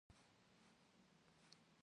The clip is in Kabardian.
Yêzeşşır pşşıne youe.